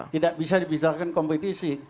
tidak bisa dibisarkan kompetisi